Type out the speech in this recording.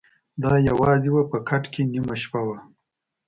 د ا یوازي وه په کټ کي نیمه شپه وه